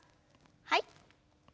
はい。